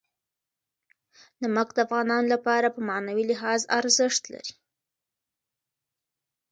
نمک د افغانانو لپاره په معنوي لحاظ ارزښت لري.